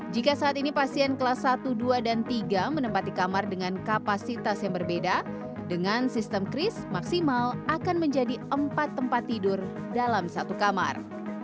jika saat ini pasien kelas satu dua dan tiga menempati kamar dengan kapasitas yang berbeda dengan sistem kris maksimal akan menjadi empat tempat tidur dalam satu kamar